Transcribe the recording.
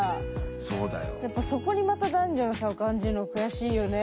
やっぱそこにまた男女の差を感じるのは悔しいよね。